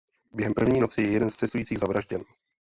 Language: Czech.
Během první noci je jeden z cestujících zavražděn.